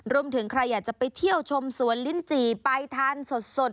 รวมถึงใครอยากจะไปเที่ยวชมสวนลิ้นจี่ไปทานสด